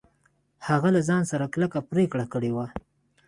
هغه له ځان سره کلکه پرېکړه کړې وه.